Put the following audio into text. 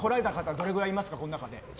どれくらいいますか？